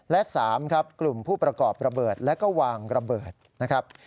และ๓ครับกลุ่มผู้ประกอบระเบิดและก็วางระเบิดนะครับ